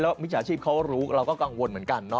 มิจฉาชีพเขารู้เราก็กังวลเหมือนกัน